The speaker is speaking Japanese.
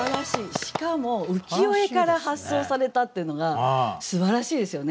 しかも浮世絵から発想されたっていうのがすばらしいですよね。